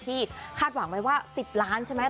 คาดหวังไว้ว่า๑๐ล้านใช่ไหม